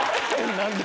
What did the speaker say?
何で？